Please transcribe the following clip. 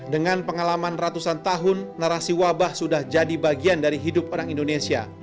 dengan pengalaman ratusan tahun narasi wabah sudah jadi bagian dari hidup orang indonesia